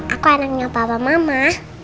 aku anaknya bapak mama